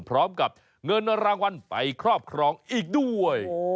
พร้อมกับเงินรางวัลไปครอบครองอีกด้วย